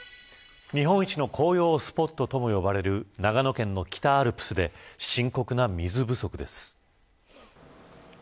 日本一の紅葉スポットとも呼ばれる長野県の北アルプスで深刻な水不足です。